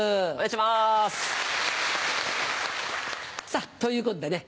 さぁということでね